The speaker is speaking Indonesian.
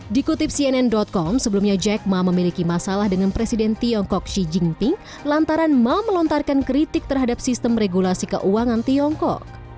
dikutip cnn com sebelumnya jack ma memiliki masalah dengan presiden tiongkok xi jinping lantaran mau melontarkan kritik terhadap sistem regulasi keuangan tiongkok